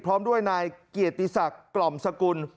พร้อมด้วยนายเกียรติศักดิ์กล่อมสกุล